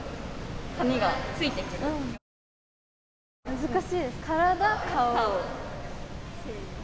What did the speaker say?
難しいですね。